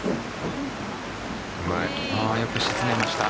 よく沈めました。